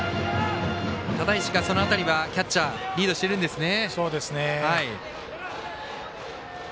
只石がその辺り、キャッチャーがリードしているんですね。